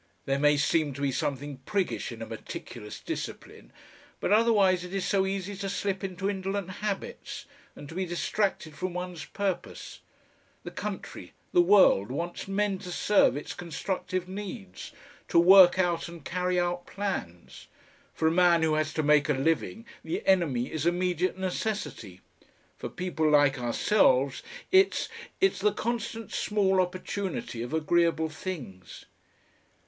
There may seem to be something priggish in a meticulous discipline, but otherwise it is so easy to slip into indolent habits and to be distracted from one's purpose. The country, the world, wants men to serve its constructive needs, to work out and carry out plans. For a man who has to make a living the enemy is immediate necessity; for people like ourselves it's it's the constant small opportunity of agreeable things."